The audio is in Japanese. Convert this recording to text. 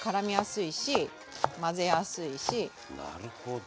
なるほど。